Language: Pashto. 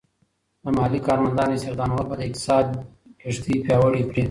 د محلی کارمندانو استخدامول به د اقتصاد کښتۍ پیاوړې کړي.